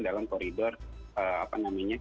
dalam koridor apa namanya